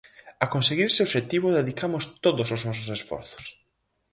A conseguir ese obxectivo dedicamos todos os nosos esforzos.